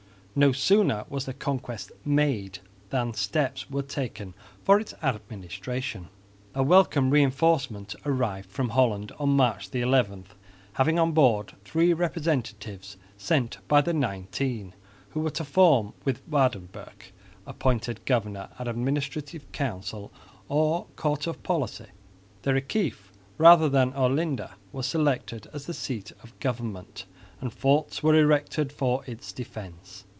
No sooner was the conquest made than steps were taken for its administration. A welcome reinforcement arrived from Holland on March 11, having on board three representatives sent by the Nineteen, who were to form with Waerdenburgh, appointed governor, an administrative council, or Court of Policy. The Reciff, rather than Olinda, was selected as the seat of government, and forts were erected for its defence.